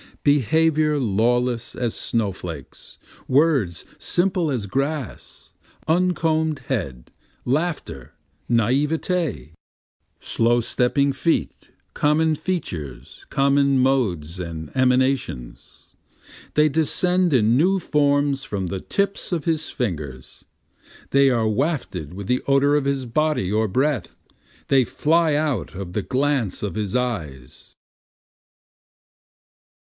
Behavior lawless as snow flakes, words simple as grass, uncomb'd head, laughter, and naivete, Slow stepping feet, common features, common modes and emanations, They descend in new forms from the tips of his fingers, They are wafted with the odor of his body or breath, they fly out of the glance of his eyes.